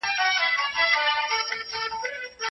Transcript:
که نړۍ بدله سي نو خلګ به هم بدل سي.